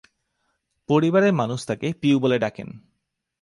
পরিবারের মানুষ তাকে পিউ বলে ডাকেন।